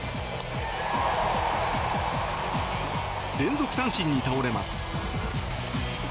連続三振に倒れます。